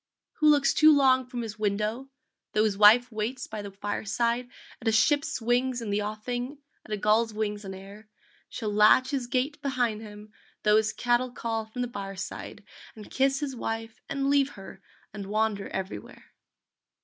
Who looks too long from his window Tho his wife waits by the fireside At a ship's wings in the offing, At a gull's wings on air, Shall latch his gate behind him, Tho his cattle call from the byre side, And kiss his wife and leave her And wander everywhere.